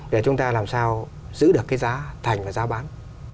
để chúng ta làm sao giữ được cái giá thành và giá bán